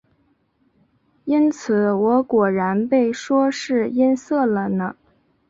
因此我果然被说是音色了呢。